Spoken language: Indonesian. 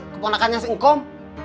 keponakannya si ngkom